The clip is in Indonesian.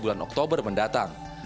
bulan oktober mendatang